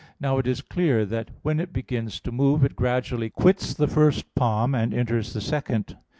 Now it is clear that when it begins to move, it gradually quits the first palm and enters the second.